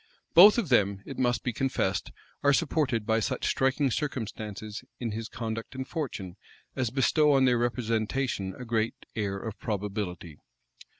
Both of them, it must be confessed, are supported by such striking circumstances in his conduct and fortune, as bestow on their representation a great air of probability.